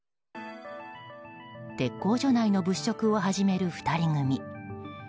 鉄工所内の物色を始める２人組。